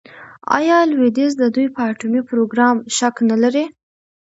آیا لویدیځ د دوی په اټومي پروګرام شک نلري؟